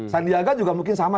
sandiaga juga mungkin sama